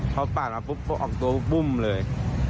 เขาปากมาปุ๊บออกตัวปุ้มเลย